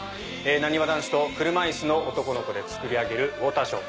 なにわ男子と車椅子の男の子でつくり上げるウオーターショー。